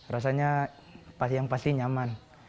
rasanya yang pasti nyaman